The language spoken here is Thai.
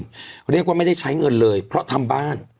เรียกว่าไม่ได้ใช้เงินเลยเพราะทำบ้าน